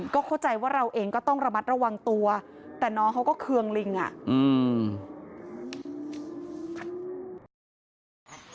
ก็เข้าใจว่าเราเองก็ต้องระมัดระวังตัวแต่น้องเขาก็เคืองลิงอ่ะอืม